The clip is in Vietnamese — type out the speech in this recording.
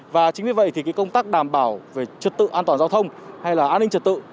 và chính vì vậy công tác đảm bảo về trực tự an toàn giao thông hay là an ninh trực tự